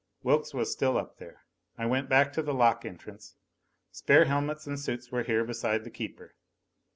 Wilks was still up there! I went back to the lock entrance. Spare helmets and suits were here beside the keeper.